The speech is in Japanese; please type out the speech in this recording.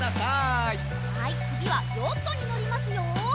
はいつぎはヨットにのりますよ。